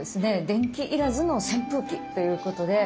電気いらずの扇風機ということで。